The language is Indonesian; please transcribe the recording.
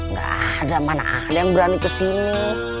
nggak ada mana ada yang berani kesini